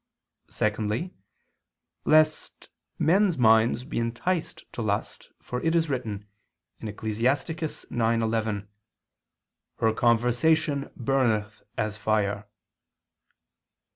Secondly, lest men's minds be enticed to lust, for it is written (Ecclus. 9:11): "Her conversation burneth as fire."